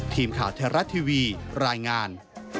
ทีมข่าวไทยรัฐทีวีรายงาน